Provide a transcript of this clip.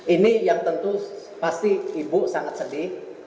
ini yang tentu pasti ibu sangat sedih